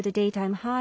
はい。